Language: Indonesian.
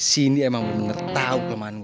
cindy emang bener bener tahu kelemahan gue